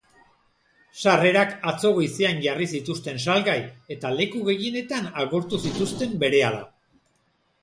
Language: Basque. Sarrerak atzo goizean jarri zituzten salgai, eta leku gehienetan agortu zituzten berehala.